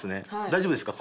大丈夫ですか？